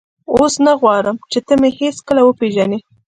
اوس نه غواړم چې ته مې هېڅکله وپېژنې.